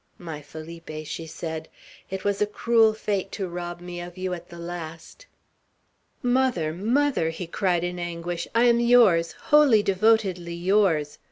"My Felipe!" she said. "It was a cruel fate to rob me of you at the last!" "Mother! mother!" he cried in anguish. "I am yours, wholly, devotedly yours!